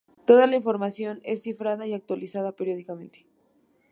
Todo la información es cifrada y actualizada periódicamente.